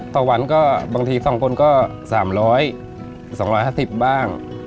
ต่อวันก็บางที๒คนก็๓๐๐๒๕๐บ้าง